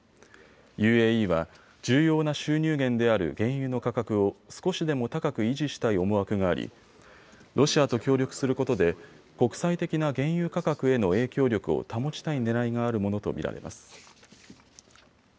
ＵＡＥは重要な収入源である原油の価格を少しでも高く維持したい思惑がありロシアと協力することで国際的な原油価格への影響力を保ちたいねらいがあるものと見られます。